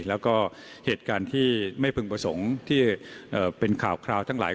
แล้วก็เหตุการณ์ที่ไม่พึงประสงค์ที่เป็นข่าวคราวทั้งหลาย